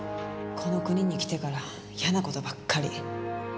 この国に来てから嫌な事ばっかり。